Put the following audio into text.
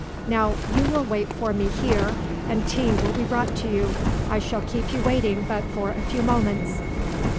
Now you will wait for me here and tea will be brought to you. I shall keep you waiting but for a few moments."